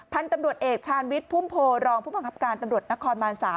พันธุ์ตำรวจเอกชาญวิทย์พุ่มโพรองผู้บังคับการตำรวจนครบาน๓